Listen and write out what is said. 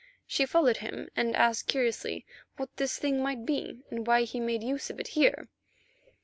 She followed him and asked curiously what this thing might be, and why he made use of it here.